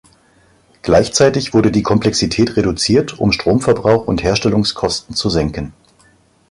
Gleichzeitig wurde die Komplexität reduziert, um Stromverbrauch und Herstellungskosten zu senken.